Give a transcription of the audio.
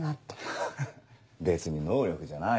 ハハ別に能力じゃないよ。